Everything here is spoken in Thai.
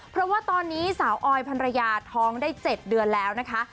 เพราะว่าตอนนี้สาวออยพันรยาท้องได้๗เดือนแล้วนะคะ